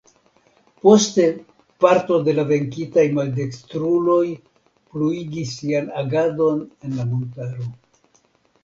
Poste parto de la venkitaj maldekstruloj pluigis sian agadon en la montaro.